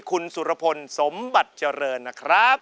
คุณสุรพลสมบัติเจริญนะครับ